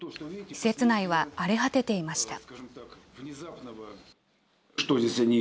施設内は荒れ果てていました。